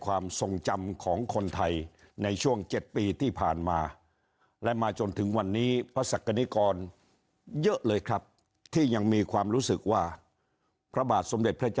อาลัยองค์พระสงธรรมคิดถึงองค์ราชันพระภูมิพล